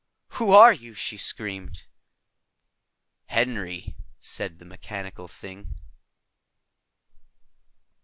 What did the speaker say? "Who are you?" she screamed. "Henry," said the mechanical thing.